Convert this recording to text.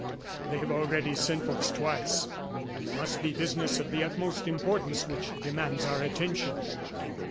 They have already sent for us twice. It must be business of the utmost importance which demands our attention."